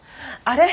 あれ？